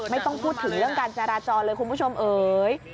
ไม่ต้องพูดถึงเรื่องการจราจรเลยคุณผู้ชมเอ๋ย